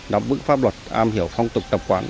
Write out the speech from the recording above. nắm bức pháp luật am hiểu phong tục tập quản